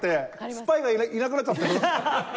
スパイがいなくなっちゃって。